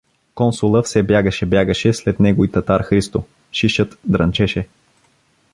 Консула все бягаше, бягаше след него и Татар Христо, шишът дрънчеше.